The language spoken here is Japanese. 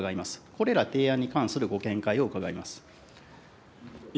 これら提案に関するご見解を伺います。